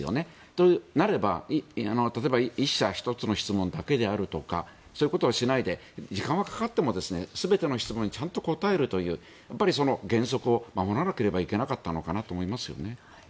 となれば１社１つの質問だけであるとかそういうことをしないで時間はかかっても全ての人にちゃんと答えるというその原則を守らなければいけなかったのかなと思いますよね。